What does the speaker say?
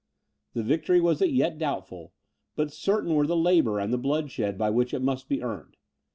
The victory was as yet doubtful, but certain were the labour and the bloodshed by which it must be earned.